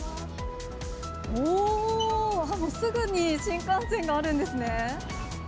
うおー、すぐに新幹線があるんですね。